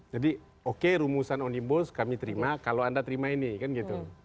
jadi oke rumusan omnibus kami terima kalau anda terima ini kan gitu